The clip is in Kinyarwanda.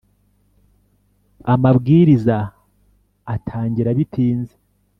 amabwiriza atangira bitinze.